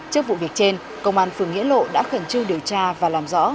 trước vụ việc trên công an phường nghĩa lộ đã khẩn trương điều tra và làm rõ